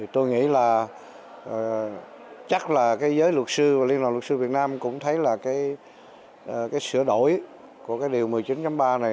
tôi nghĩ là chắc là giới luật sư và liên lạc luật sư việt nam cũng thấy là cái sửa đổi của cái điều một mươi chín ba này